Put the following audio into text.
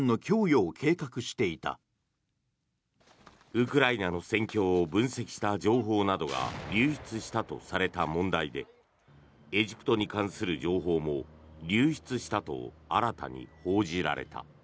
ウクライナの戦況を分析した情報などが流出したとされた問題でエジプトに関する情報も流出したと新たに報じられた。